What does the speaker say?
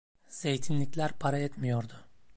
Zeytinlikler para etmiyordu.